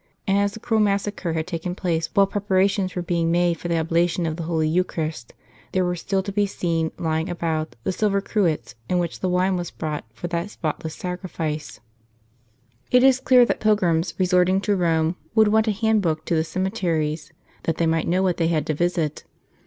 And as the cruel massacre had taken place while preparations were being * Acta Martyr, torn. iii. 341 made for oblation of the holy Eucharist, there were still to be seen lying about, the silver cruets in which the wine was brought for that spotless sacrifice.* It is clear that pilgrims resorting to Rome would want a hand book to the cemeteries, that they might know what they had to visit.